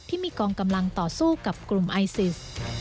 ที่มีกองกำลังต่อสู้กับกลุ่มไอซิส